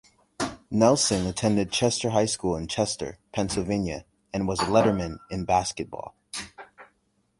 Nelson attended Chester High School in Chester, Pennsylvania and was a letterman in basketball.